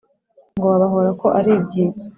ngo babahora ko ari ibyitso